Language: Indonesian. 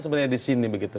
sebenarnya di sini